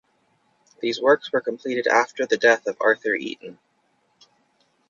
These works were completed after the death of Arthur Eaton.